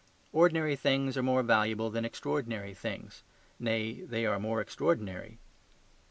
Ordinary things are more valuable than extraordinary things; nay, they are more extraordinary.